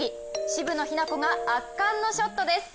渋野日向子が圧巻のショットです。